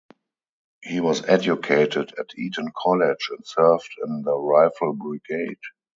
He was educated at Eton College and served in the Rifle Brigade.